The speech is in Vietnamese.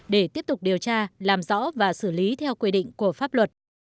để tiếp tục điều tra làm rõ và xử lý theo quy định của pháp luật